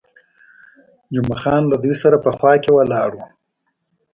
جمعه خان هم له دوی سره په خوا کې ولاړ وو.